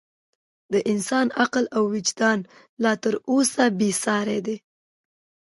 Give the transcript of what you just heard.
د انسان عقل او وجدان لا تر اوسه بې ساري دی.